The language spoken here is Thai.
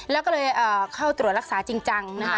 แล้วก็เลยเข้าตรวจรักษาจริงจังนะคะ